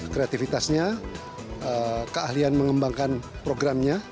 kreativitasnya keahlian mengembangkan programnya